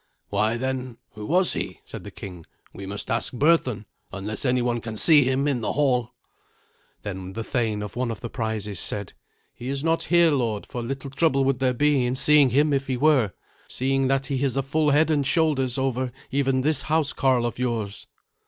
"Why, then, who was he?" said the king. "We must ask Berthun, unless anyone can see him in the hall." Then the thane of the prizes said, "He is not here, lord; for little trouble would there be in seeing him, if he were, seeing that he is a full head and shoulders over even this housecarl of yours."